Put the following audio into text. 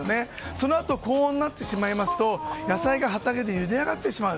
そのあと高温になってしまいますと野菜が畑でゆで上がってしまう。